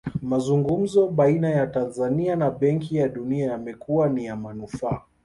Mazungumzo baina ya Tanzania na benki ya dunia yamekuwa ni ya manufaa